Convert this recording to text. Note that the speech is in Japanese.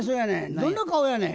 どんな顔やねん。